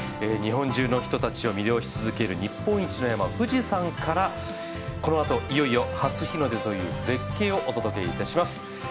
日本中の人たちを魅了し続ける日本一の山、富士山からこのあといよいよ初日の出という絶景をお届けします。